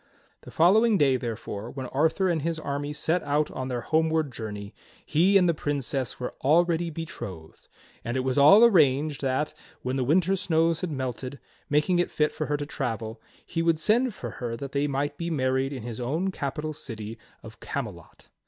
The following day, therefore, when Arthur and his army set out on their homeward journey, he and the Princess were already betrothed; and it was all arranged that, when the winter snows had melted, making it fit for her to travel, he would send for her that they might be married in his own capital city of Camelot.